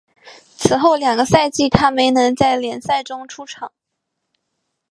此后两个赛季他没能在联赛中出场。